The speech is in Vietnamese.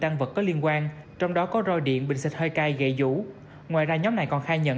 nguồn liên quan trong đó có roi điện bình xịt hơi cay gây vũ ngoài ra nhóm này còn khai nhận